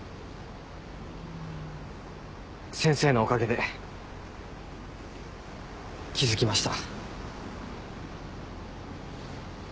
先生のおかげで気付きました。